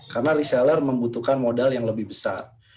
karena reseller membutuhkan modal yang lebih besar